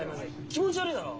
気持ち悪いだろ。